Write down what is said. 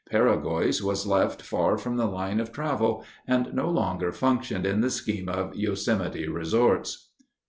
Peregoy's was left far from the line of travel and no longer functioned in the scheme of Yosemite resorts.